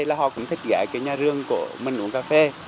là họ cũng thích ghé cái nhà giường của mình uống cà phê